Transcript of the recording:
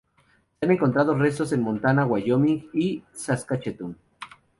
Se han encontrado restos en Montana, Wyoming y Saskatchewan.